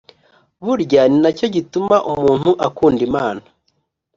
burya ni na cyo gituma umuntu akunda imana